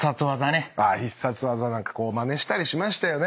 必殺技なんかまねしたりしましたよね。